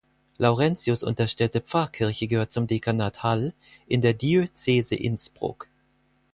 Laurentius unterstellte Pfarrkirche gehört zum Dekanat Hall in der Diözese Innsbruck.